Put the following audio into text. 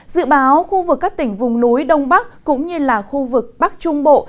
dự báo khu vực các tỉnh vùng núi đông bắc cũng như là khu vực bắc trung bộ